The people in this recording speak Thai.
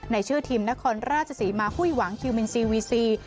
ในชื่อทีมนครราชศรีมาหุ้ยหวังคิวมินซีวีซี